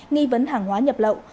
nghi vấn hàng hóa nhập lậu